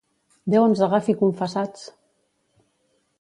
Déu ens agafi confessats!